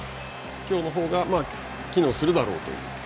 きょうのほうが機能するだろうと？